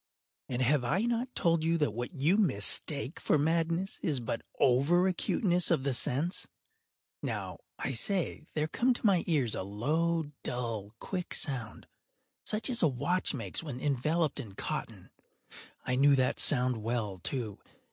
And have I not told you that what you mistake for madness is but over acuteness of the sense?—now, I say, there came to my ears a low, dull, quick sound, such as a watch makes when enveloped in cotton. I knew that sound well, too.